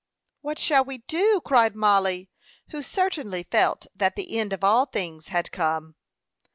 "What shall we do?" cried Mollie, who certainly felt that the end of all things had come.